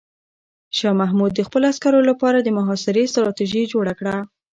شاه محمود د خپلو عسکرو لپاره د محاصرې ستراتیژي جوړه کړه.